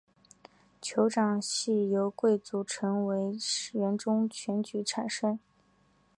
酋长系由贵族成员中选举产生。